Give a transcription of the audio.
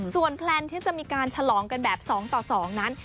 ส่วนแพลนที่จะมีการฉลองกันแบบ๒ต่อ๒นั้น